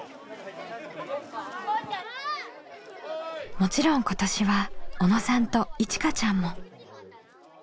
もちろん今年は小野さんといちかちゃんも。